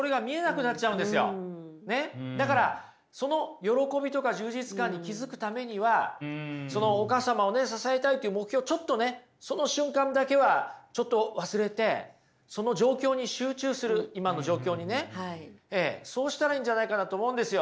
だからその喜びとか充実感に気付くためにはそのお母様をね支えたいっていう目標をちょっとねその瞬間だけはちょっと忘れて今の状況にね。そうしたらいいんじゃないかなと思うんですよ。